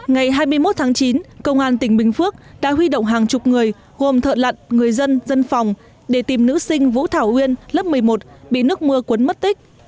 ngày hai mươi một tháng chín công an tỉnh bình phước đã huy động hàng chục người gồm thợ lặn người dân dân phòng để tìm nữ sinh vũ thảo uyên lớp một mươi một bị nước mưa cuốn mất tích